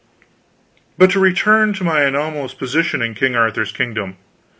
But to return to my anomalous position in King Arthur's kingdom.